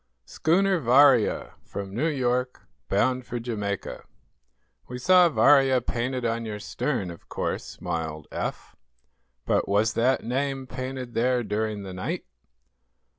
"Schooner 'Varia,' from New York, bound for Jamaica." "We saw 'Varia' painted on your stern, of course," smiled Eph. "But was that name painted there during the night?"